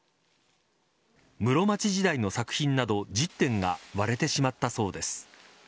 室町時代の作品など１０点が割れてしまったそうです。